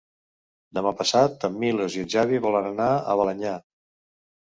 Demà passat en Milos i en Xavi volen anar a Balenyà.